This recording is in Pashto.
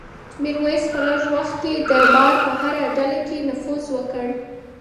میرویس په لږ وخت کې د دربار په هره ډله کې نفوذ وکړ.